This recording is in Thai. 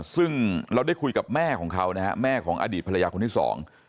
ซึ่งเราได้คุยกับแม่ของเขานะฮะแม่ของอดีตภรรยาคนที่สอง